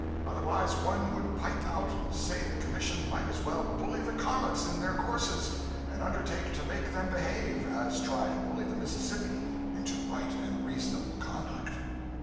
Otherwise one would pipe out and say the Commission might as well bully the comets in their courses and undertake to make them behave, as try to bully the Mississippi into right and reasonable conduct.